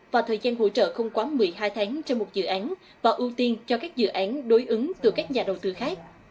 và thời gian hỗ trợ không quá một mươi hai tháng trên một dự án và ưu tiên cho các dự án đối ứng từ các nhà đầu tư khác